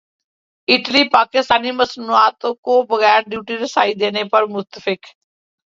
Italy Pakistani مصنوعات کو بغیر ڈیوٹی رسائی دینے پر متفق